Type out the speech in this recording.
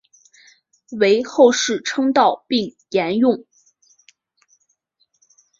为后世称道并沿用。